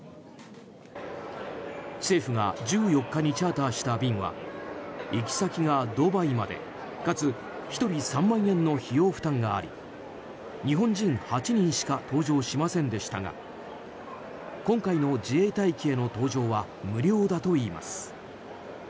政府が１４日にチャーターした便は行き先がドバイまでかつ１人３万円の費用負担があり日本人８人しか搭乗しませんでしたが今回の自衛隊機への搭乗は無料だといいます。